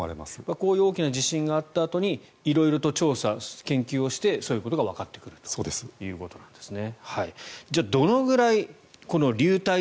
こういう大きな地震があったあとに色々と調査・研究をしてそういうことがわかってくるということですね。